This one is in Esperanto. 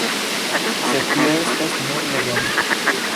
Sed tio estas nur legendo.